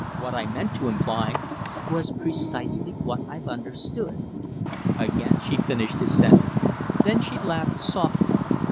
"What I meant to imply "" was precisely what I've understood." Again she finished his sentence. Then she laughed softly.